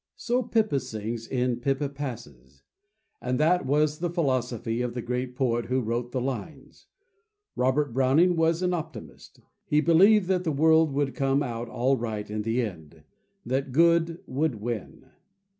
So Pippa sings in "Pippa Passes." And that was the philosophy of the great poet who wrote the lines. Robert Browning was an optimist. He believed that the world would come out all right in the end, that good would win.